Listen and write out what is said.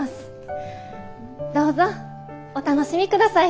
どうぞお楽しみください。